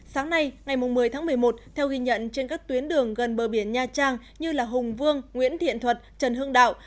sáng nay ngày một mươi tháng một mươi một theo ghi nhận trên các tuyến đường gần bờ biển nha trang như hùng vương nguyễn thiện thuật trần hương đạo